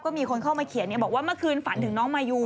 ก็มีคนเข้ามาเขียนบอกว่าเมื่อคืนฝันถึงน้องมายู